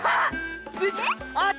あっ！